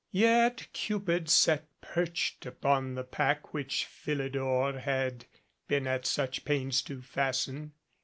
Yet Cupid sat perched upon the pack which Philidor had been at such pains to fasten.